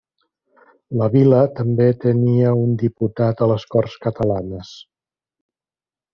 La vila també tenia un diputat a les Corts Catalanes.